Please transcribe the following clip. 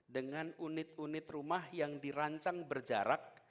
dengan unit unit rumah yang dirancang berjarak